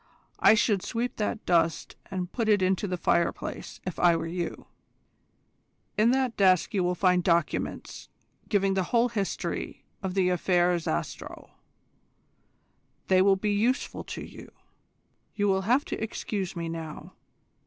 I should sweep that dust up and put it into the fireplace, if I were you. In that desk you will find documents giving the whole history of the Affaire Zastrow. They will be useful to you. You will have to excuse me now.